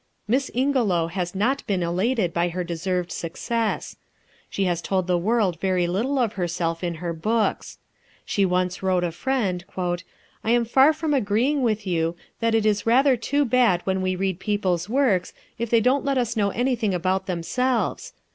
Miss Ingelow has not been elated by her deserved success. She has told the world very little of herself in her books. She once wrote a friend: "I am far from agreeing with you 'that it is rather too bad when we read people's works, if they won't let us know anything about themselves.'